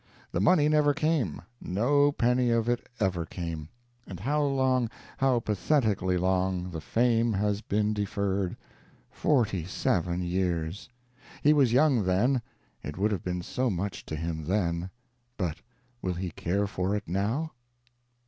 The money never came no penny of it ever came; and how long, how pathetically long, the fame has been deferred forty seven years! He was young then, it would have been so much to him then; but will he care for it now?